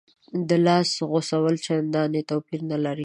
د لاس غوڅول چندانې توپیر نه لري.